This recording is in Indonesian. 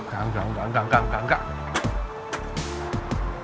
enggak enggak enggak enggak enggak enggak